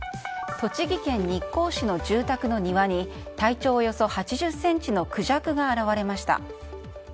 栃木県日光市の住宅の庭に体長およそ８０ｃｍのクジャクが現れました。